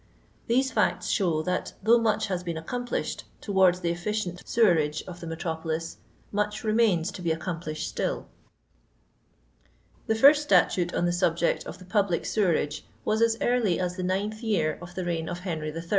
These fiuts show that though much has been accomplished towards the efficient seweiage of the metropolis, much remains to be accompEshed stilL The first statute on the nlject of the public sewerage was as early as the 9th jrear of the reign of Henry III.